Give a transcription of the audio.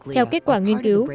theo kết quả nghiên cứu